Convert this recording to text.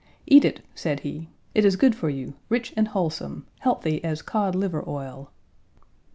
"Eat it," said he, "it is good for you; rich and wholesome; healthy as cod liver oil."